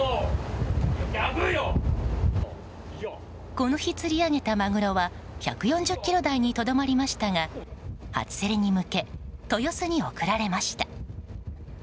この日、釣り上げたマグロは１４０ｋｇ台にとどまりましたが初競りに向け豊洲に送られました。